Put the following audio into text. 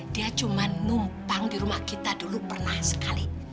dia cuma numpang di rumah kita dulu pernah sekali